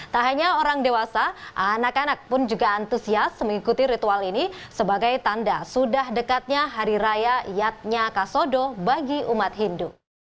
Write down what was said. tak hanya orang dewasa anak anak pun juga antusias mengikuti ritual ini sebagai tanda sudah dekatnya hari raya yatnya kasodo bagi umat hindu